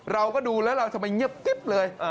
เราก็ดูแล้วเราจะไปเงียบเลย